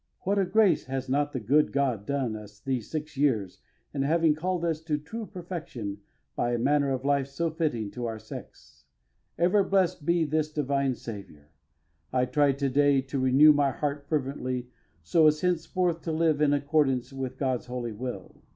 What a grace has not the good God done us these six years in having called us to true perfection by a manner of life so fitting to our sex. Ever blessed be this divine Saviour. I tried to day to renew my heart fervently so as henceforth to live in accordance with God's holy will.